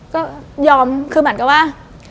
ก็ยอมคือเหมือนกับว่า